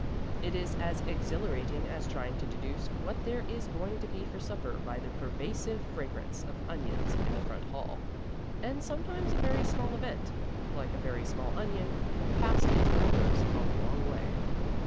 It is as exhilarating as trying to deduce what there is going to be for supper by the pervasive fragrance of onions in the front hall. And sometimes a very small event, like a very small onion, can cast its rumors a long way.